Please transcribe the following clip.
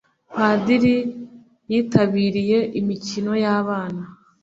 padiri yitabiriye imikino yabana.